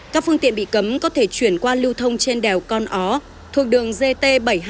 các phương tiện bị cấm có thể chuyển qua lưu thông trên đèo con ó thuộc đường gt bảy trăm hai mươi